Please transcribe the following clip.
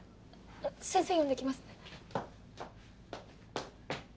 先生呼んで来ますね。